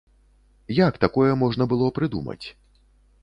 Як такое можна было прыдумаць?